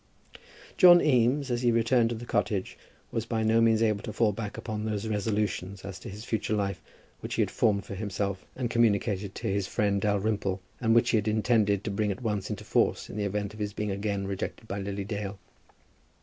John Eames as he returned to the cottage was by no means able to fall back upon those resolutions as to his future life, which he had formed for himself and communicated to his friend Dalrymple, and which he had intended to bring at once into force in the event of his being again rejected by Lily Dale.